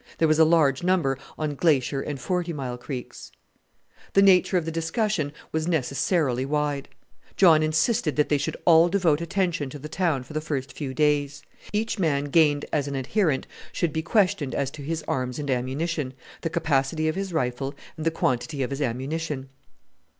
There was a large number on Glacier and Forty Mile Creeks. The nature of the discussion was necessarily wide. John insisted that they all should devote attention to the town for the first few days. Each man gained as an adherent should be questioned as to his arms and ammunition, the capacity of his rifle, and the quantity of his ammunition.